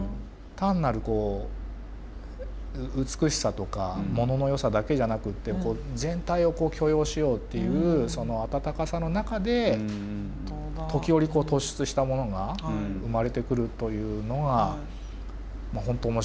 単なるこう美しさとか物のよさだけじゃなくって全体を許容しようっていうその温かさの中で時折突出したものが生まれてくるというのが本当面白いなと。